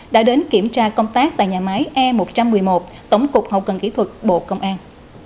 đã đến kiểm tra công tác tại nhà máy e một trăm một mươi một tổng cục hậu cần kỹ thuật bộ công an